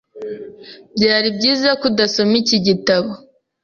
Byari byiza ko udasoma iki gitabo.